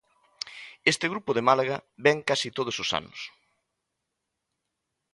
Este grupo de Málaga vén case todos os anos.